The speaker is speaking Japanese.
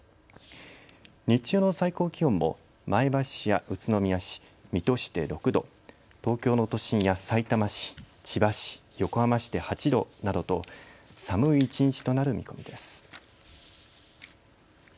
日中の最高気温も前橋市や宇都宮市、水戸市で６度、東京の都心やさいたま市、千葉市、横浜市で８度などと寒い一日となる見込みです。